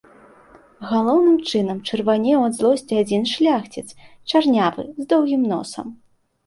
Галоўным чынам чырванеў ад злосці адзін шляхціц, чарнявы, з доўгім носам.